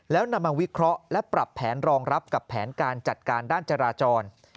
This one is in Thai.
แล้วนำมาวิเคราะห์และปรับแผนรองรับกับแผนการจัดการด้านจราจร